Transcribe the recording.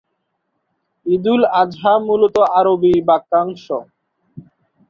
ঈদুল আযহা মূলত আরবি বাক্যাংশ।